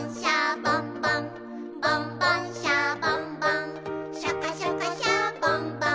「ボンボン・シャボン・ボンシャカシャカ・シャボン・ボン」